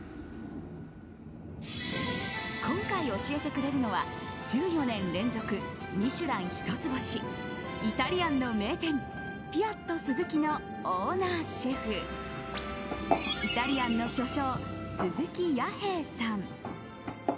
今回、教えてくれるのは１４年連続「ミシュラン」一つ星イタリアンの名店ピアットスズキのオーナーシェフイタリアンの巨匠、鈴木弥平さん。